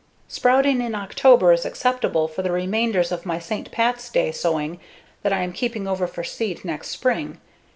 Sprouting in October is acceptable for the remainders of my St. Pat's Day sowing that I am keeping over for seed next spring.